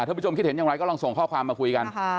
ผู้ชมคิดเห็นอย่างไรก็ลองส่งข้อความมาคุยกัน